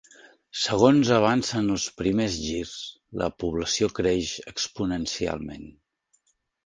Segons avancen els primers girs, la població creix exponencialment.